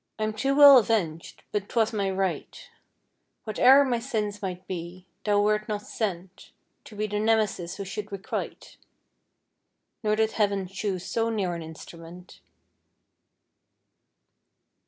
I am too well avenged! but 'twas my right; Whate'er my sins might be, thou wert not sent To be the Nemesis who should requite Nor did Heaven choose so near an instrument.